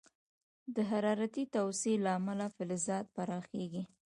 د حرارتي توسعې له امله فلزات پراخېږي.